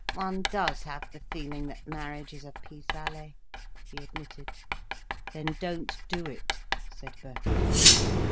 "One does have the feeling that marriage is a pis aller," he admitted. "Then don't do it," said Birkin.